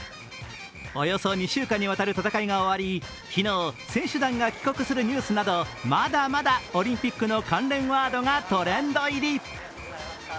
およそ２週間にわたる戦いが終わり昨日選手団が帰国するニュースなど、まだまだオリンピックの関連ワードがトレンド入り。